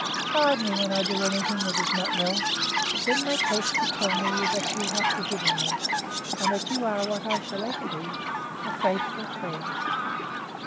Chide me when I do anything that is not well, but then make haste to tell me that you have forgiven me, and that you are what I shall ever be, a faithful friend.